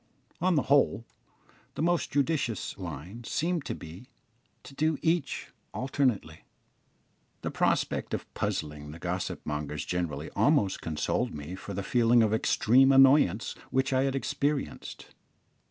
On the whole, the most judicious line seemed to be to do each alternately. The prospect of puzzling the gossip mongers generally almost consoled me for the feeling of extreme annoyance which I had experienced.